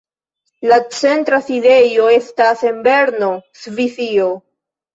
La centra sidejo estas en Berno, Svisio.